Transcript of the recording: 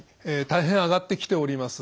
大変上がってきております。